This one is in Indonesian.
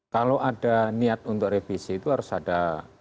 kalau ada niat untuk revisi itu harus ada